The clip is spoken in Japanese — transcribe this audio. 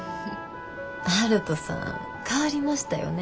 悠人さん変わりましたよね。